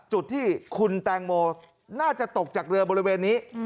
จุดที่คุณแตงโมน่าจะตกจากเรือบริเวณนี้